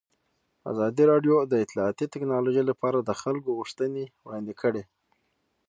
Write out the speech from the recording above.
ازادي راډیو د اطلاعاتی تکنالوژي لپاره د خلکو غوښتنې وړاندې کړي.